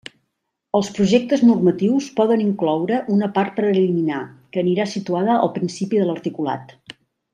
Els projectes normatius poden incloure una part preliminar, que anirà situada al principi de l'articulat.